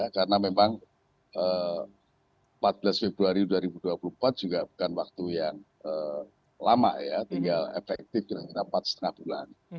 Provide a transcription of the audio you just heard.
karena memang empat belas februari dua ribu dua puluh empat juga bukan waktu yang lama ya tinggal efektif kira kira empat lima bulan